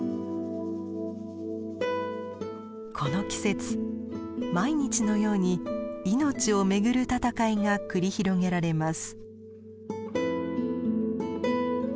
この季節毎日のように命をめぐる闘いが繰り広げられます。